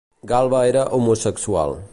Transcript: Galba era homosexual.